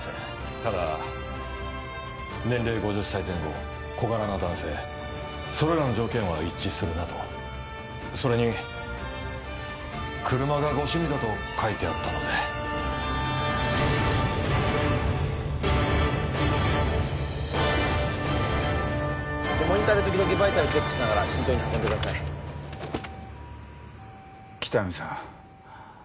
ただ年齢５０歳前後小柄な男性それらの条件は一致するなとそれに車がご趣味だと書いてあったのでモニターで時々バイタルチェックしながら慎重に運んでください喜多見さん